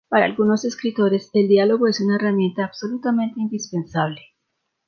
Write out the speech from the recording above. Para algunos escritores, el diálogo es una herramienta absolutamente indispensable.